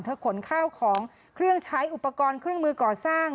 ขนข้าวของเครื่องใช้อุปกรณ์เครื่องมือก่อสร้าง